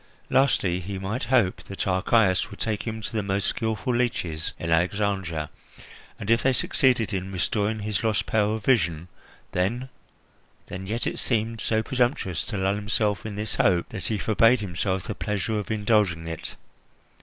Lastly, he might hope that Archias would take him to the most skilful leeches in Alexandria and, if they succeeded in restoring his lost power of vision, then then Yet it seemed so presumptuous to lull himself in this hope that he forbade himself the pleasure of indulging it.